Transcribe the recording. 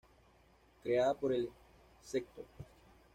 Creada por el Sgto.